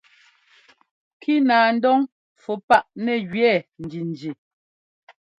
Kínaandɔn fú paʼ nɛ́ jʉɛ́ njinji.